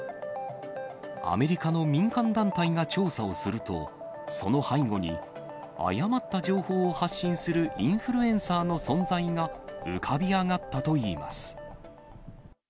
アメリカの民間団体が調査をすると、その背後に、誤った情報を発信するインフルエンサーの存在が浮かび上がったといいます。